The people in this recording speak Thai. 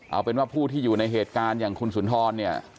เอาเป็นว่าผู้ที่อยู่ในเหตุการณ์อย่างคุณสุนทรเนี่ย